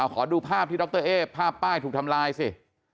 ขอดูภาพที่ดรเอ๊ภาพป้ายถูกทำลายสิ